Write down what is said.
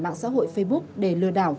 mạng xã hội facebook để lừa đảo